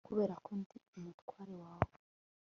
Kubera ko ndi umutware wawe